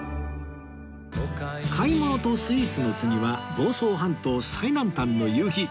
買い物とスイーツの次は房総半島最南端の夕日